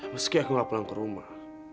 meski aku gak pulang ke rumah